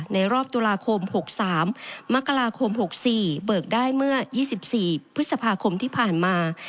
ในรอบตุลาคมหกสามมกลาคมหกสี่เบิกได้เมื่อยี่สิบสี่พฤษภาคมที่ผ่านมา